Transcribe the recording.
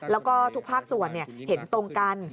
แล้วก็ทุกภาคส่วนเห็นตรงกัน